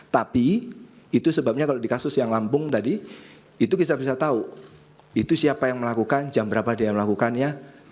tapi itu sebabnya kalau di kasus yang lambung tadi itu kita bisa tahu itu siapa yang melakukan jam berapa dia melakukannya